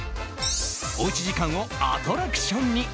おうち時間をアトラクションに！